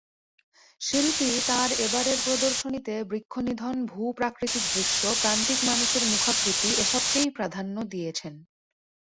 শিল্পী তাঁর এবারের প্রদর্শনীতে বৃক্ষনিধন, ভূ-প্রাকৃতিক দৃশ্য, প্রান্তিক মানুষের মুখাকৃতি—এসবকেই প্রাধান্য দিয়েছেন।